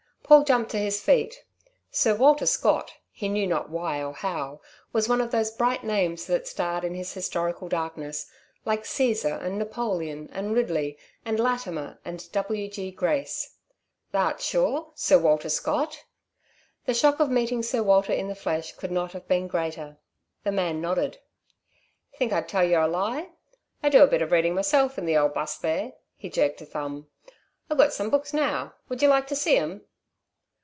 Paul jumped to his feet. Sir Walter Scott, he knew not why or how, was one of those bright names that starred in his historical darkness, like Caesar and Napoleon and Ridley and Latimer and W. G. Grace. "Tha' art sure? Sir Water Scott?" The shock of meeting Sir Walter in the flesh could not have been greater. The man nodded. "Think I'd tell yer a lie? I do a bit of reading myself in the old 'bus there" he jerked a thumb "I've got some books now. Would yer like to see 'em?"